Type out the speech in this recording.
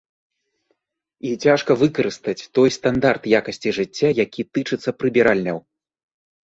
І цяжка выкарыстаць той стандарт якасці жыцця, які тычыцца прыбіральняў.